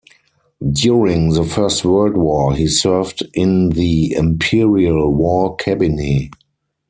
During the First World War, he served in the Imperial War Cabinet.